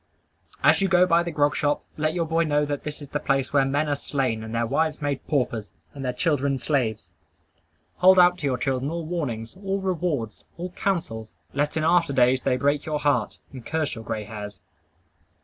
As you go by the grog shop, let your boy know that that is the place where men are slain, and their wives made paupers, and their children slaves. Hold out to your children all warnings, all rewards, all counsels, lest in after days they break your heart, and curse your gray hairs.